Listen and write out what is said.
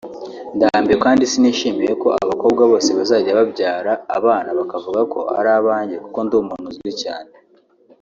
’’Ndambiwe kandi sinishimiye ko abakobwa bose bazajya babyara abana bakavuga ko ari abanjye kuko ndi umuntu uzwi cyane